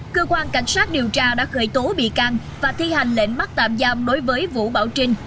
cơ quan cảnh sát điều tra đã khởi tố bị can và thi hành lệnh bắt tạm giam đối với vũ bảo trinh